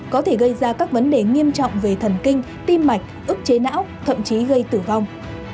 có thể gây ra các vấn đề nghiêm trọng về thần kinh tim mạch ức chế não thậm chí gây tử vong